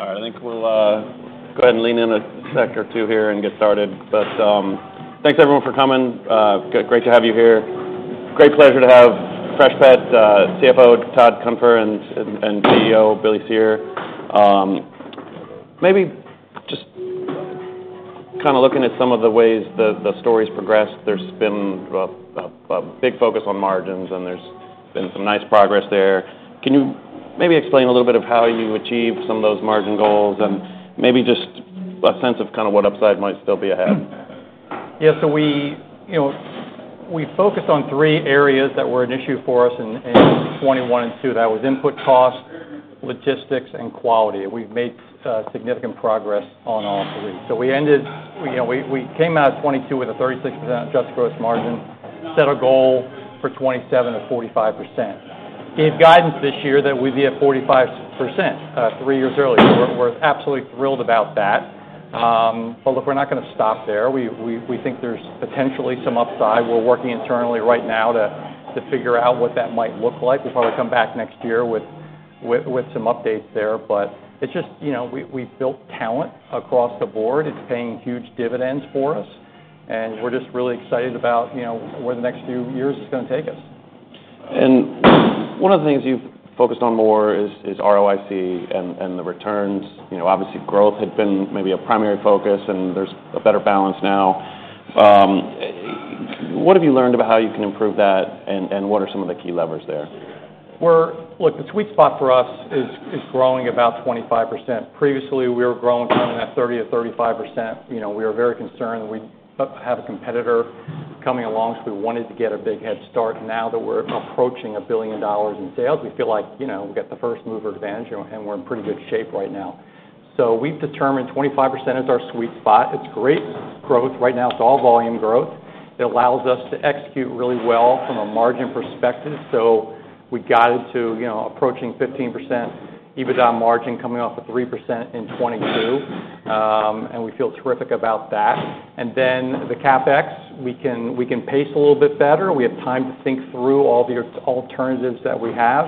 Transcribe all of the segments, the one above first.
All right, I think we'll go ahead and lean in a sector or two here and get started. But thanks everyone for coming. Great to have you here. Great pleasure to have Freshpet's CFO, Todd Cunfer, and CEO, Billy Cyr. Maybe just kind of looking at some of the ways the story's progressed, there's been a big focus on margins, and there's been some nice progress there. Can you maybe explain a little bit of how you achieved some of those margin goals, and maybe just a sense of kind of what upside might still be ahead? Yeah, so we, you know, we focused on three areas that were an issue for us in 2021 and 2022. That was input cost, logistics, and quality. We've made significant progress on all three. So we, you know, we came out of 2022 with a 36% adjusted gross margin, set a goal for 2027 of 45%. Gave guidance this year that we'd be at 45%, three years early. We're absolutely thrilled about that. But look, we're not gonna stop there. We think there's potentially some upside. We're working internally right now to figure out what that might look like. We'll probably come back next year with some updates there. But it's just, you know, we, we've built talent across the board. It's paying huge dividends for us, and we're just really excited about, you know, where the next few years is gonna take us. One of the things you've focused on more is ROIC and the returns. You know, obviously, growth had been maybe a primary focus, and there's a better balance now. What have you learned about how you can improve that, and what are some of the key levers there? Look, the sweet spot for us is growing about 25%. Previously, we were growing somewhere around that 30-35%. You know, we were very concerned. We have a competitor coming along, so we wanted to get a big head start. Now that we're approaching $1 billion in sales, we feel like, you know, we've got the first-mover advantage, and we're in pretty good shape right now. So we've determined 25% is our sweet spot. It's great growth. Right now, it's all volume growth. It allows us to execute really well from a margin perspective. So we got it to, you know, approaching 15% EBITDA margin, coming off of 3% in 2022, and we feel terrific about that. And then the CapEx, we can pace a little bit better. We have time to think through all the alternatives that we have,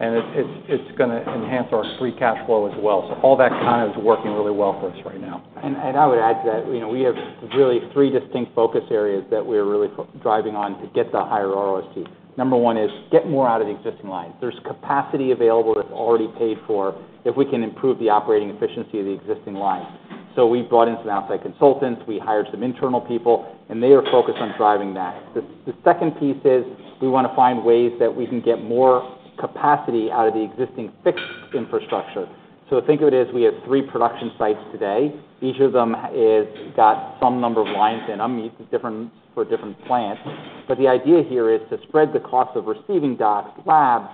and it's gonna enhance our free cash flow as well, so all that kind of is working really well for us right now. I would add to that, you know, we have really three distinct focus areas that we're really focusing on driving to get the higher ROIC. Number one is get more out of the existing lines. There's capacity available that's already paid for, if we can improve the operating efficiency of the existing lines. So we've brought in some outside consultants, we hired some internal people, and they are focused on driving that. The second piece is, we wanna find ways that we can get more capacity out of the existing fixed infrastructure. So think of it as we have three production sites today. Each of them has got some number of lines in them, different for different plants. But the idea here is to spread the cost of receiving docks, labs,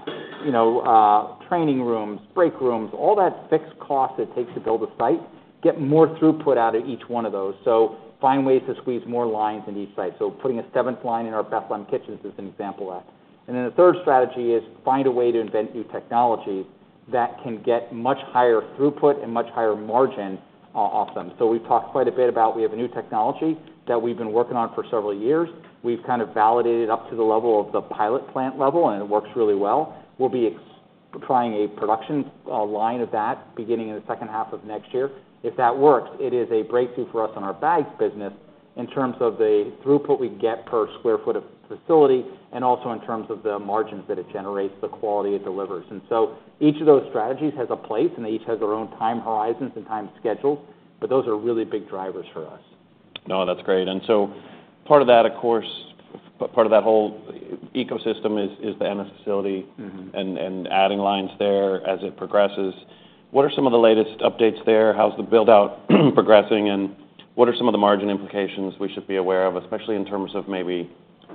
you know, training rooms, break rooms, all that fixed cost it takes to build a site, get more throughput out of each one of those. So find ways to squeeze more lines in each site. So putting a seventh line in our Bethlehem Kitchens is an example of that. And then the third strategy is find a way to invent new technology that can get much higher throughput and much higher margin off them. So we've talked quite a bit about, we have a new technology that we've been working on for several years. We've kind of validated up to the level of the pilot plant level, and it works really well. We'll be trying a production line of that beginning in the second half of next year. If that works, it is a breakthrough for us in our bags business in terms of the throughput we get per sq ft of facility, and also in terms of the margins that it generates, the quality it delivers. And so each of those strategies has a place, and they each has their own time horizons and time schedules, but those are really big drivers for us. No, that's great. And so part of that, of course, part of that whole ecosystem is the Ennis facility- Mm-hmm. and adding lines there as it progresses. What are some of the latest updates there? How's the build-out progressing, and what are some of the margin implications we should be aware of, especially in terms of maybe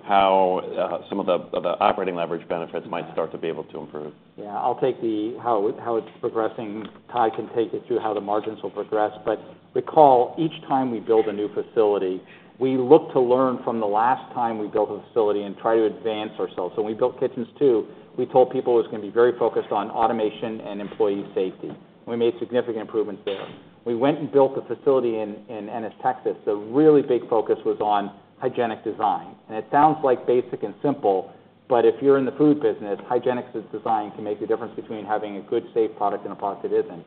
how some of the the operating leverage benefits might start to be able to improve? Yeah, I'll take how it's progressing. Todd can take it through how the margins will progress. But recall, each time we build a new facility, we look to learn from the last time we built a facility and try to advance ourselves. So when we built Kitchens Two, we told people it was gonna be very focused on automation and employee safety. We made significant improvements there. We went and built the facility in Ennis, Texas. The really big focus was on hygienic design. And it sounds like basic and simple, but if you're in the food business, hygiene is designed to make the difference between having a good, safe product and a product that isn't.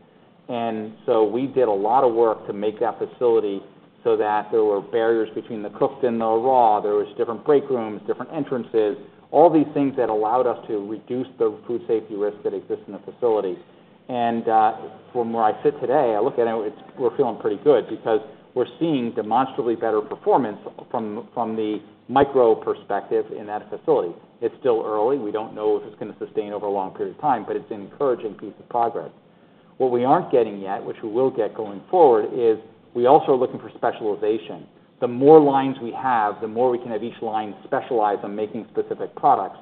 And so we did a lot of work to make that facility so that there were barriers between the cooked and the raw. There was different break rooms, different entrances, all these things that allowed us to reduce the food safety risk that exists in the facility, and from where I sit today, I look at it, and it's. We're feeling pretty good because we're seeing demonstrably better performance from the micro perspective in that facility. It's still early. We don't know if it's gonna sustain over a long period of time, but it's an encouraging piece of progress. What we aren't getting yet, which we will get going forward, is we also are looking for specialization. The more lines we have, the more we can have each line specialize in making specific products.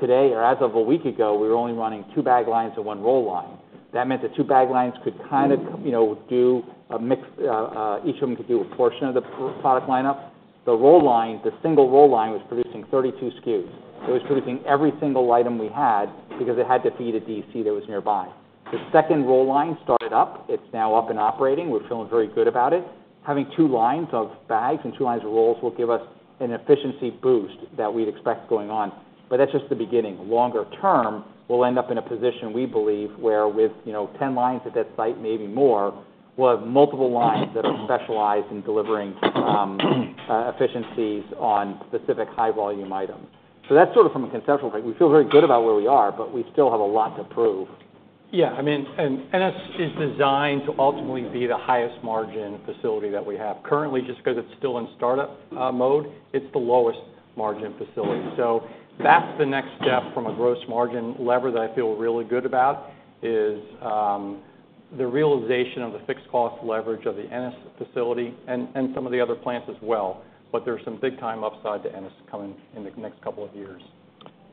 Today, or as of a week ago, we were only running two bag lines and one roll line. That meant the two bag lines could kind of, you know, do a mix... Each of them could do a portion of the product lineup. The roll line, the single roll line, was producing 32 SKUs. It was producing every single item we had because it had to feed a DC that was nearby. The second roll line started up. It's now up and operating. We're feeling very good about it. Having two lines of bags and two lines of rolls will give us an efficiency boost that we'd expect going on, but that's just the beginning. Longer term, we'll end up in a position, we believe, where with, you know, 10 lines at that site, maybe more, we'll have multiple lines that are specialized in delivering efficiencies on specific high-volume items. So that's sort of from a conceptual thing. We feel very good about where we are, but we still have a lot to prove. Yeah, I mean, Ennis is designed to ultimately be the highest margin facility that we have. Currently, just because it's still in startup mode, it's the lowest margin facility. So that's the next step from a gross margin lever that I feel really good about, the realization of the fixed cost leverage of the Ennis facility and some of the other plants as well. But there's some big time upside to Ennis coming in the next couple of years.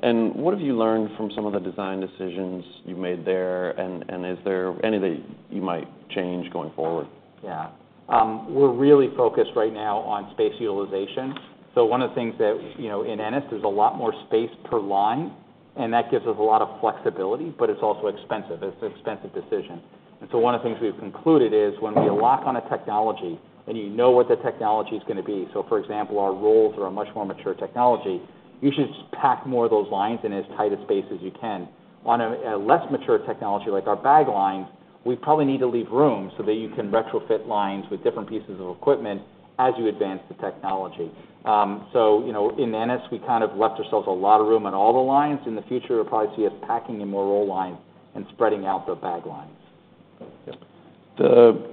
And what have you learned from some of the design decisions you made there, and is there any that you might change going forward? Yeah. We're really focused right now on space utilization. So one of the things that, you know, in Ennis, there's a lot more space per line, and that gives us a lot of flexibility, but it's also expensive. It's an expensive decision. And so one of the things we've concluded is, when we lock on a technology and you know what the technology is gonna be, so, for example, our rolls are a much more mature technology, you should just pack more of those lines in as tight a space as you can. On a less mature technology, like our bag lines, we probably need to leave room so that you can retrofit lines with different pieces of equipment as you advance the technology. So, you know, in Ennis, we kind of left ourselves a lot of room on all the lines. In the future, you'll probably see us packing in more roll lines and spreading out the bag lines. The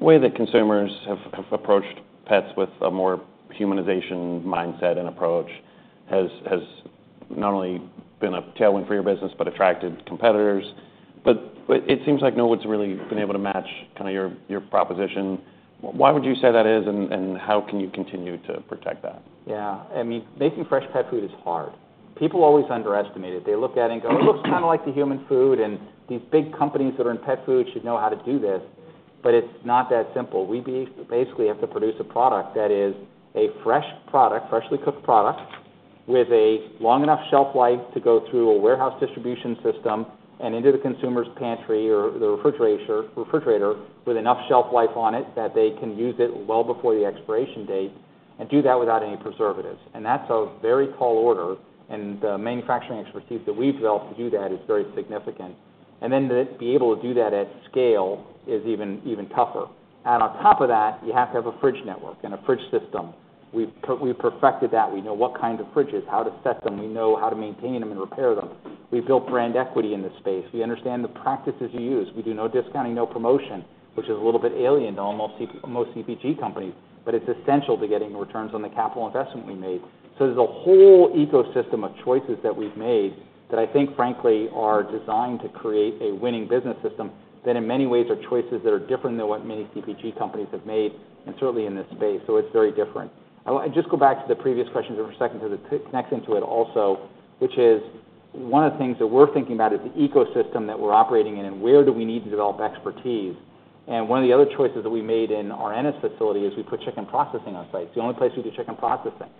way that consumers have approached pets with a more humanization mindset and approach has not only been a tailwind for your business, but attracted competitors. But it seems like no one's really been able to match kind of your proposition. Why would you say that is, and how can you continue to protect that? Yeah. I mean, making fresh pet food is hard. People always underestimate it. They look at it and go, "It looks kind of like the human food, and these big companies that are in pet food should know how to do this." But it's not that simple. We basically have to produce a product that is a fresh product, freshly cooked product, with a long enough shelf life to go through a warehouse distribution system and into the consumer's pantry or the refrigerator, with enough shelf life on it that they can use it well before the expiration date, and do that without any preservatives. And that's a very tall order, and the manufacturing expertise that we've developed to do that is very significant. And then to be able to do that at scale is even tougher. On top of that, you have to have a fridge network and a fridge system. We've perfected that. We know what kinds of fridges, how to set them. We know how to maintain them and repair them. We've built brand equity in this space. We understand the practices you use. We do no discounting, no promotion, which is a little bit alien to most CPG companies, but it's essential to getting the returns on the capital investment we made. There's a whole ecosystem of choices that we've made that I think, frankly, are designed to create a winning business system that, in many ways, are choices that are different than what many CPG companies have made, and certainly in this space. It's very different. Just go back to the previous question for a second, because it connects into it also, which is, one of the things that we're thinking about is the ecosystem that we're operating in, and where do we need to develop expertise, and one of the other choices that we made in our Ennis facility is we put chicken processing on site. It's the only place we do chicken processing,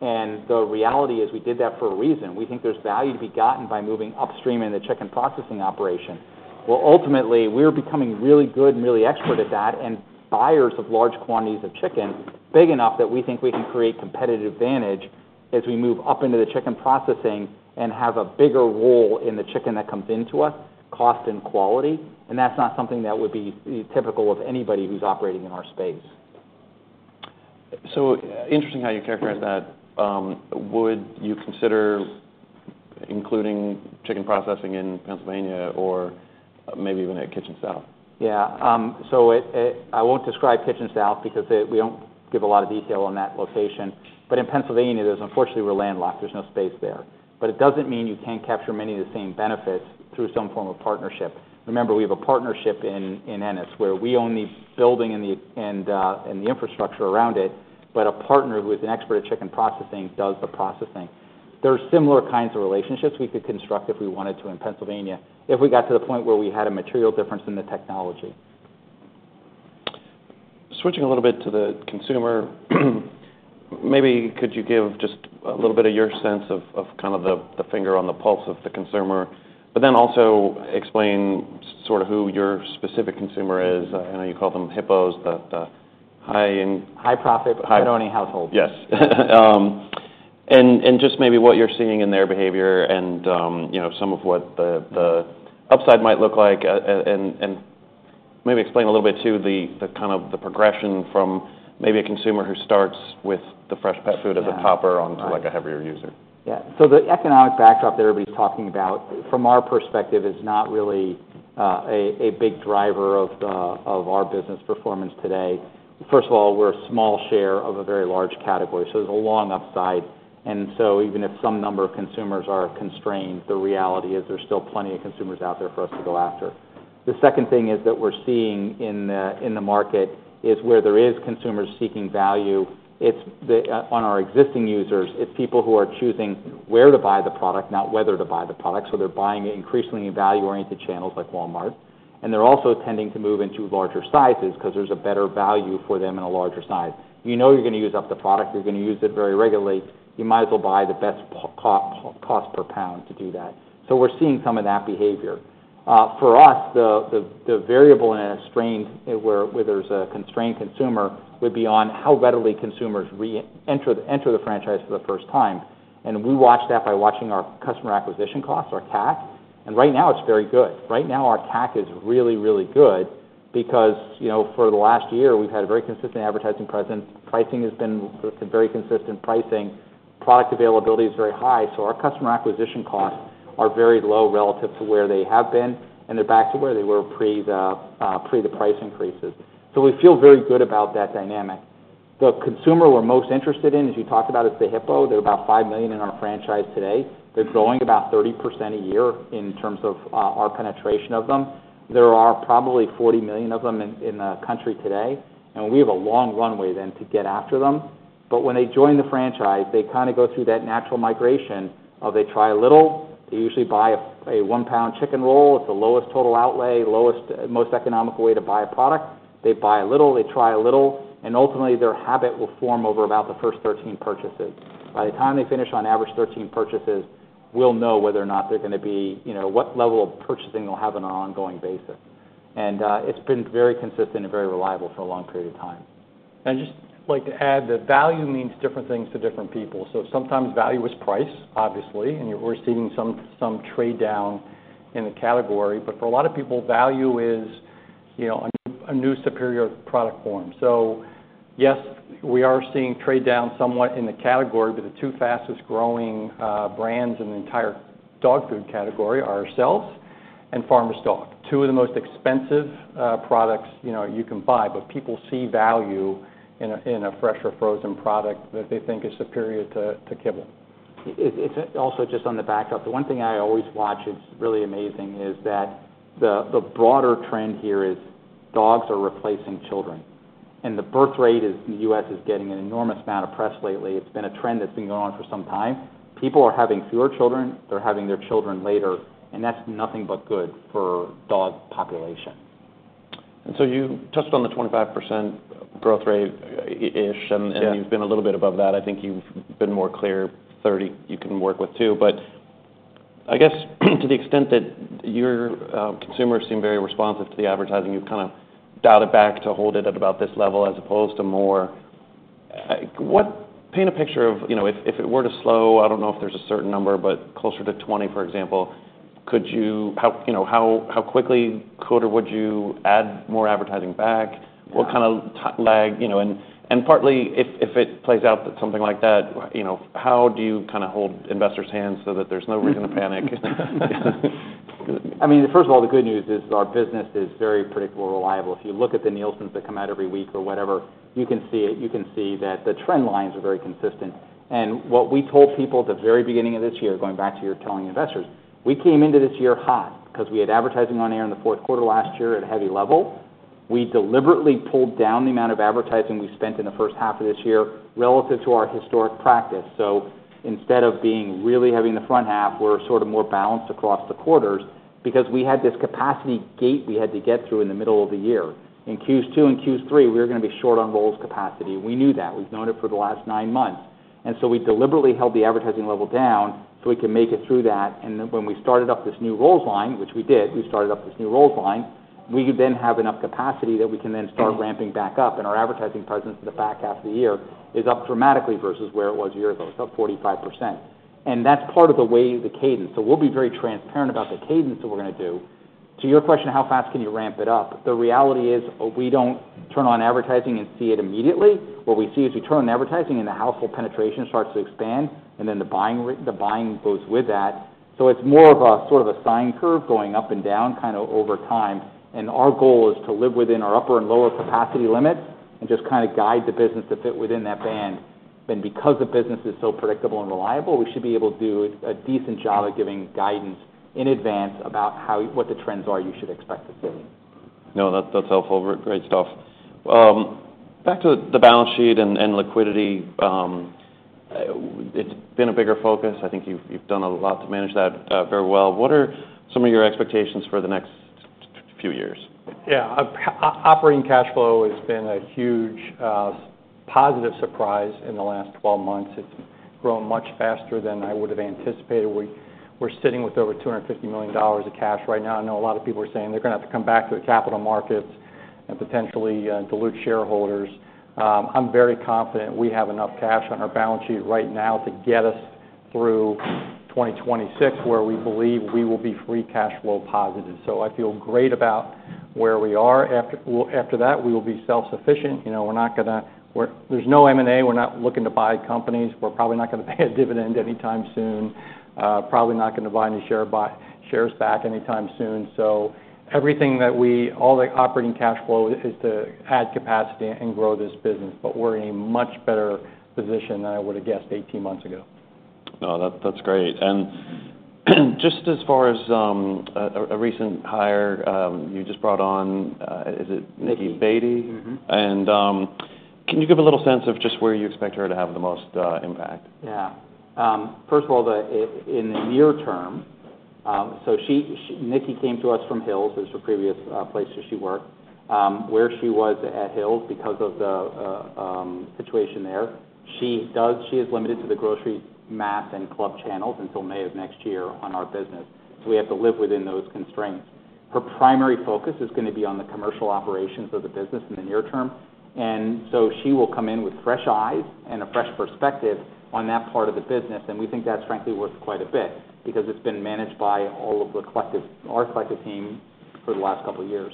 and the reality is, we did that for a reason. We think there's value to be gotten by moving upstream in the chicken processing operation, where ultimately, we're becoming really good and really expert at that, and buyers of large quantities of chicken, big enough that we think we can create competitive advantage as we move up into the chicken processing and have a bigger role in the chicken that comes into us, cost and quality. And that's not something that would be typical of anybody who's operating in our space. So interesting how you characterize that. Would you consider including chicken processing in Pennsylvania or maybe even at Kitchens South? Yeah. So I won't describe Kitchens South because we don't give a lot of detail on that location. But in Pennsylvania, unfortunately, we're landlocked. There's no space there. But it doesn't mean you can't capture many of the same benefits through some form of partnership. Remember, we have a partnership in Ennis, where we own the building and the infrastructure around it, but a partner who is an expert at chicken processing does the processing. There are similar kinds of relationships we could construct if we wanted to in Pennsylvania, if we got to the point where we had a material difference in the technology. Switching a little bit to the consumer, maybe could you give just a little bit of your sense of kind of the finger on the pulse of the consumer, but then also explain sort of who your specific consumer is? I know you call them Hippos, the high in- High Profit Irrepressible Household. Yes. And just maybe what you're seeing in their behavior and, you know, some of what the upside might look like. And maybe explain a little bit, too, the kind of progression from maybe a consumer who starts with the fresh pet food as a topper onto like a heavier user. Yeah. So the economic backdrop that everybody's talking about, from our perspective, is not really a big driver of our business performance today. First of all, we're a small share of a very large category, so there's a long upside. And so even if some number of consumers are constrained, the reality is there's still plenty of consumers out there for us to go after. The second thing is that we're seeing in the market is where there is consumers seeking value, it's the on our existing users, it's people who are choosing where to buy the product, not whether to buy the product. So they're buying it increasingly in value-oriented channels like Walmart, and they're also tending to move into larger sizes because there's a better value for them in a larger size. You know you're gonna use up the product, you're gonna use it very regularly, you might as well buy the best cost per pound to do that. So we're seeing some of that behavior. For us, the variable in a constrained, where there's a constrained consumer, would be on how readily consumers re-enter the franchise for the first time. We watch that by watching our customer acquisition costs, our CAC, and right now it's very good. Right now, our CAC is really, really good because, you know, for the last year, we've had a very consistent advertising presence. Pricing has been with a very consistent pricing. Product availability is very high, so our customer acquisition costs are very low relative to where they have been, and they're back to where they were pre the price increases. We feel very good about that dynamic. The consumer we're most interested in, as you talked about, is the hippo. They're about five million in our franchise today. They're growing about 30% a year in terms of our penetration of them. There are probably 40 million of them in the country today, and we have a long runway then to get after them. But when they join the franchise, they kinda go through that natural migration of they try a little, they usually buy a one-pound chicken roll. It's the lowest total outlay, lowest, most economical way to buy a product. They buy a little, they try a little, and ultimately, their habit will form over about the first 13 purchases. By the time they finish, on average, 13 purchases, we'll know whether or not they're gonna be... You know, what level of purchasing they'll have on an ongoing basis, and it's been very consistent and very reliable for a long period of time. And just like to add, that value means different things to different people. So sometimes value is price, obviously, and we're seeing some trade-down in the category. But for a lot of people, value is, you know, a new superior product form. So yes, we are seeing trade-down somewhat in the category, but the two fastest growing brands in the entire dog food category are ourselves and Farmer's Dog. Two of the most expensive products, you know, you can buy, but people see value in a fresh or frozen product that they think is superior to kibble. It's also just on the backup, the one thing I always watch. It's really amazing, is that the broader trend here is dogs are replacing children, and the birth rate in the U.S. is getting an enormous amount of press lately. It's been a trend that's been going on for some time. People are having fewer children, they're having their children later, and that's nothing but good for dog population. You touched on the 25% growth rate, ish, and- Yeah... and you've been a little bit above that. I think you've been more clear, 30, you can work with, too. But I guess, to the extent that your consumers seem very responsive to the advertising, you've kinda dialed it back to hold it at about this level as opposed to more. What... Paint a picture of, you know, if it were to slow, I don't know if there's a certain number, but closer to 20, for example, could you... How, you know, how quickly could or would you add more advertising back? What kinda time lag, you know? And partly, if it plays out that something like that, you know, how do you kinda hold investors' hands so that there's no reason to panic? I mean, first of all, the good news is our business is very predictable and reliable. If you look at the Nielsens that come out every week or whatever, you can see it. You can see that the trend lines are very consistent. And what we told people at the very beginning of this year, going back to your telling investors, we came into this year hot because we had advertising on air in the fourth quarter last year at a heavy level. We deliberately pulled down the amount of advertising we spent in the first half of this year relative to our historic practice. So instead of being really heavy in the front half, we're sorta more balanced across the quarters because we had this capacity gate we had to get through in the middle of the year. In Q2 and Q3, we were gonna be short on rolls capacity. We knew that. We've known it for the last nine months. And so we deliberately held the advertising level down, so we could make it through that. And then when we started up this new rolls line, which we did, we started up this new rolls line, we then have enough capacity that we can then start ramping back up. And our advertising presence in the back half of the year is up dramatically versus where it was a year ago, it's up 45%. And that's part of the way, the cadence, so we'll be very transparent about the cadence that we're gonna do. To your question, how fast can you ramp it up? The reality is, we don't turn on advertising and see it immediately. What we see is, we turn on advertising, and the household penetration starts to expand, and then the buying goes with that. So it's more of a sort of a sine curve going up and down kinda over time. And our goal is to live within our upper and lower capacity limits and just kinda guide the business to fit within that band. Then, because the business is so predictable and reliable, we should be able to do a decent job at giving guidance in advance about how what the trends are you should expect to see. No, that, that's helpful. Great stuff. Back to the balance sheet and liquidity. It's been a bigger focus. I think you've done a lot to manage that very well. What are some of your expectations for the next few years? Yeah. Operating cash flow has been a huge positive surprise in the last twelve months. It's grown much faster than I would have anticipated. We're sitting with over $250 million of cash right now. I know a lot of people are saying they're gonna have to come back to the capital markets and potentially dilute shareholders. I'm very confident we have enough cash on our balance sheet right now to get us through 2026, where we believe we will be free cash flow positive. So I feel great about where we are. After, well, after that, we will be self-sufficient. You know, we're not gonna. There's no M&A, we're not looking to buy companies. We're probably not gonna pay a dividend anytime soon. Probably not gonna buy any shares back anytime soon. So all the operating cash flow is to add capacity and grow this business, but we're in a much better position than I would have guessed 18 months ago. Oh, that, that's great. And just as far as a recent hire, you just brought on, is it Nicki Baty? Mm-hmm. Can you give a little sense of just where you expect her to have the most impact? Yeah. First of all, in the near term, Nicki came to us from Hill's. It was her previous place where she worked. Where she was at Hill's, because of the situation there, she is limited to the grocery, mass, and club channels until May of next year on our business, so we have to live within those constraints. Her primary focus is gonna be on the commercial operations of the business in the near term, and so she will come in with fresh eyes and a fresh perspective on that part of the business. We think that's frankly worth quite a bit because it's been managed by all of the collective our collective team for the last couple of years.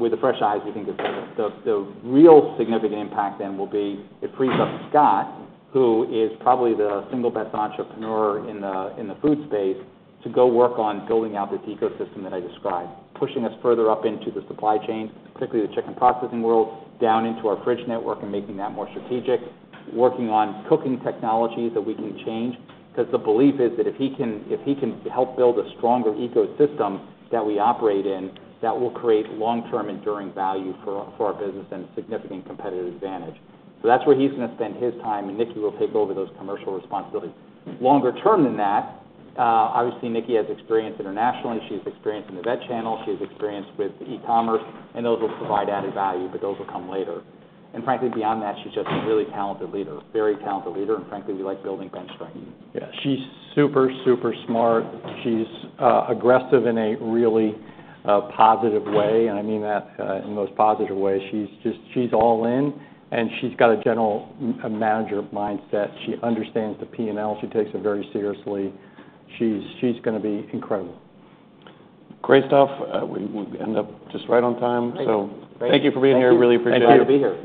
With the fresh eyes, we think it's better. The real significant impact then will be, it frees up Scott, who is probably the single best entrepreneur in the food space, to go work on building out this ecosystem that I described. Pushing us further up into the supply chain, particularly the chicken processing world, down into our fridge network and making that more strategic, working on cooking technologies that we can change. Because the belief is that if he can help build a stronger ecosystem that we operate in, that will create long-term enduring value for our business and significant competitive advantage. So that's where he's gonna spend his time, and Nicki will take over those commercial responsibilities. Longer term than that, obviously, Nicki has experience internationally, she has experience in the vet channel, she has experience with e-commerce, and those will provide added value, but those will come later. Frankly, beyond that, she's just a really talented leader. A very talented leader, and frankly, we like building bench strength. Yeah, she's super, super smart. She's aggressive in a really positive way, and I mean that in the most positive way. She's just-- she's all in, and she's got a general manager mindset. She understands the P&L. She takes it very seriously. She's gonna be incredible. Great stuff. We end up just right on time. Great. Thank you for being here. Thank you. We really appreciate it. Glad to be here.